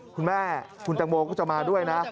คุณแม่คุณตังโมก็จะมาด้วยนะ